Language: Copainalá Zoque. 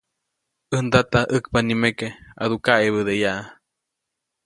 ʼÄj ndata, ʼäkpa nikeme, ʼadu kaʼebädeyaʼa.